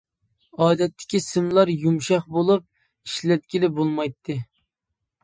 ئادەتتىكى سىملار يۇمشاق بولۇپ ئىشلەتكىلى بولمايتتى.